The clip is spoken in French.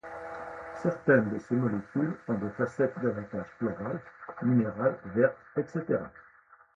Certaines de ces molécules ont des facettes davantage florales, minérales, vertes, etc.